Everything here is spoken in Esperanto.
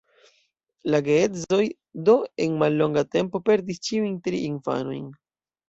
La geedzoj do en mallonga tempo perdis ĉiujn tri infanojn.